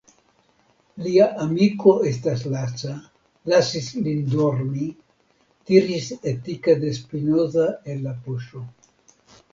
Lia amiko estas laca, lasis lin dormi, tiris Etika de Spinoza el la poŝo.